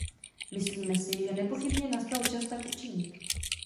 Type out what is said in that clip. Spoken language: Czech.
Myslíme si, že nepochybně nastal čas tak učinit.